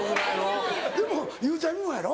でもゆうちゃみもやろ？